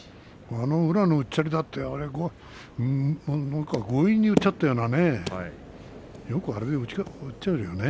宇良のうっちゃりだって強引にうっちゃったようなね